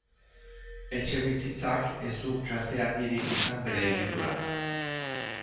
Etxebizitzak ez du kalte handirik izan bere egituran.